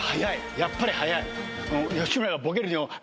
やっぱり早い。